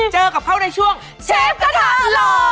เจอกับเขาในช่วงเชฟกระทะหล่อ